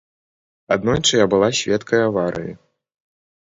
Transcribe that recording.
Аднойчы я была сведкай аварыі.